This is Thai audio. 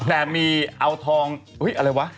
แถมีเอาทองเอออะไรวะ